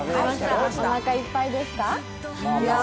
おなかいっぱいですか？